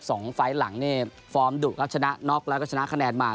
ไฟล์หลังนี่ฟอร์มดุครับชนะน็อกแล้วก็ชนะคะแนนมา